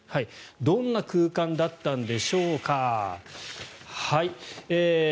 どんな空間だったんでしょうか。